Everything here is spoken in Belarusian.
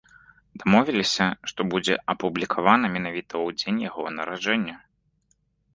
Дамовіліся, што будзе апублікавана менавіта ў дзень яго нараджэння.